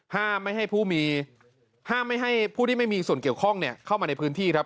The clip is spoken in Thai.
ห้ามให้ผู้ที่ไม่มีส่วนเกี่ยวข้องเข้ามาในพื้นที่ครับ